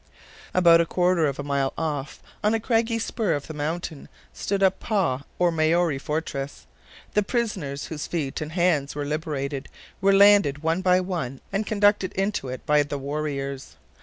About a quarter of a mile off, on a craggy spur of the mountain stood a "pah," or Maori fortress. The prisoners, whose feet and hands were liberated, were landed one by one, and conducted into it by the warriors.